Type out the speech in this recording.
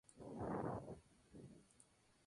La mascota finalmente fue un oso, llamado "Scotty".